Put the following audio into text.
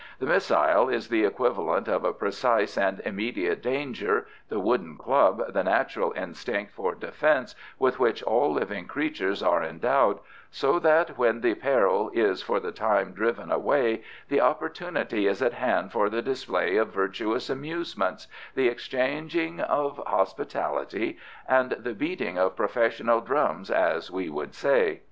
The missile is the equivalent of a precise and immediate danger, the wooden club the natural instinct for defence with which all living creatures are endowed, so that when the peril is for the time driven away the opportunity is at hand for the display of virtuous amusements, the exchanging of hospitality, and the beating of professional drums as we would say.